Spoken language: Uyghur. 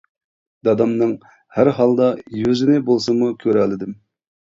دادامنىڭ ھەر ھالدا يۈزىنى بولسىمۇ كۆرەلىدىم.